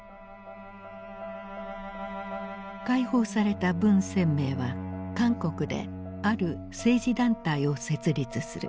解放された文鮮明は韓国である政治団体を設立する。